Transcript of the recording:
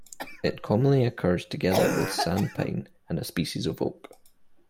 It commonly occurs together with sand pine and species of oak.